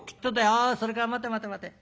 「ああそれから待て待て待て。